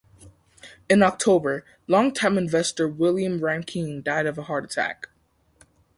In October long time investor William Rankine died of a heart attack.